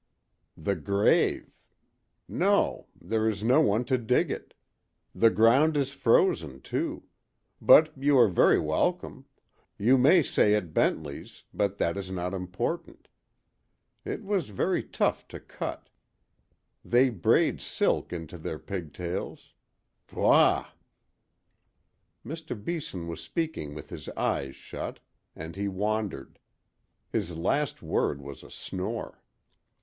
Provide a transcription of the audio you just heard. The grave! No; there is no one to dig it. The ground is frozen, too. But you are very welcome. You may say at Bentley's—but that is not important. It was very tough to cut: they braid silk into their pigtails. Kwaagh." Mr. Beeson was speaking with his eyes shut, and he wandered. His last word was a snore.